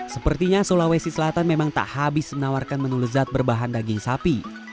sepertinya sulawesi selatan memang tak habis menawarkan menu lezat berbahan daging sapi